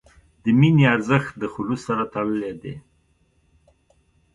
د مینې ارزښت د خلوص سره تړلی دی.